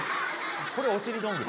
これお尻どんぐり。